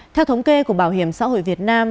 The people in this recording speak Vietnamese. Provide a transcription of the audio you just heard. theo thống kê của bảo hiểm xã hội việt nam